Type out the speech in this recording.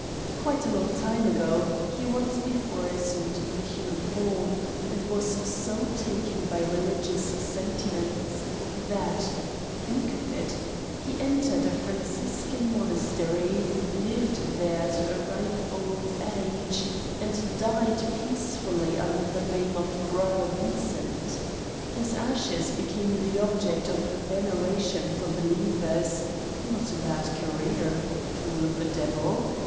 Quite a long time ago he once before assumed the human form and was so taken by religious sentiments that think of it ! he entered a Franciscan mon astery, lived there to a ripe old age and died peacefully under the name of Brother Vincent. His ashes became the object of veneration for be lievers not a bad career for a fool of a devil.